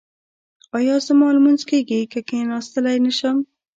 ایا زما لمونځ کیږي که کیناستلی نشم؟